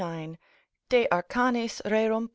de Arcanis rerump.